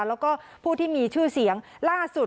แล้วก็ผู้ที่มีชื่อเสียงล่าสุด